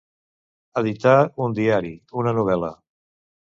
Editar un diari, una novel·la.